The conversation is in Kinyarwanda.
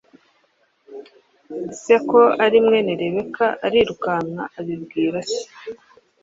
se ko ari mwene Rebeka arirukanka abibwira se